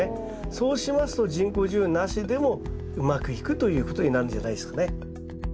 そうしますと人工授粉なしでもうまくいくということになるんじゃないですかね。